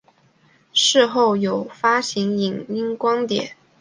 事后有发行影音光碟。